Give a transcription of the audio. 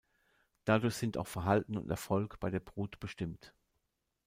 Dadurch sind auch Verhalten und Erfolg bei der Brut bestimmt.